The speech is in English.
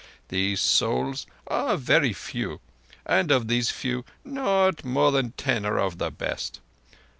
These souls are very few; and of these few, not more than ten are of the best.